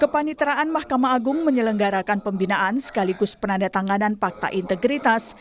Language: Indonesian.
kepaniteraan mahkamah agung menyelenggarakan pembinaan sekaligus penandatanganan fakta integritas